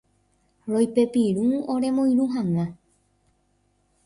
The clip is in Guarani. Roipepirũ oremoirũ hag̃ua.